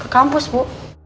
ke kampus bu